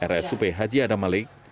rsup haji adam malik